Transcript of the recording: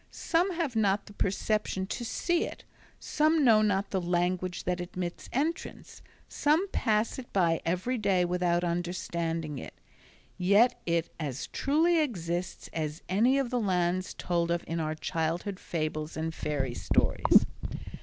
Some have not the perception to see it; some know not the language that admits entrance; some pass it by every day without understanding it. Yet it as truly exists as any of the lands told of in our childhood fables and fairy stories.